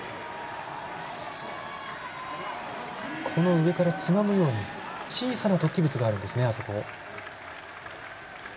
上からつまむように小さな突起物があるんですね。